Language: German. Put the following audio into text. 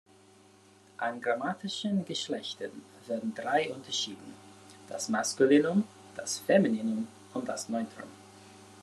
An grammatischen Geschlechtern werden drei unterschieden, das Maskulinum, das Femininum und das Neutrum.